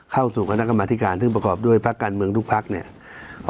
เข้าสู่คณะกรรมธิการซึ่งประกอบด้วยพักการเมืองทุกพักเนี่ย